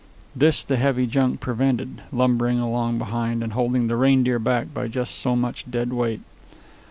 This the heavy junk prevented, lumbering along behind and holding the Reindeer back by just so much dead weight.